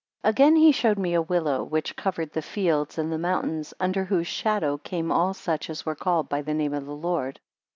AGAIN he showed me a willow which covered the fields and the mountains, under whose shadow came all such as were called by the name of the Lord.